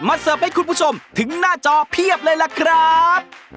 เสิร์ฟให้คุณผู้ชมถึงหน้าจอเพียบเลยล่ะครับ